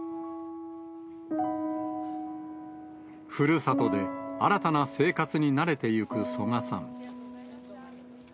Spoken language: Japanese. ふるさとで、新たな生活に慣れてゆく曽我さん。